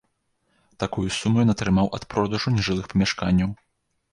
Такую суму ён атрымаў ад продажу нежылых памяшканняў.